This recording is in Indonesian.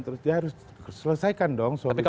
terus dia harus selesaikan dong soalnya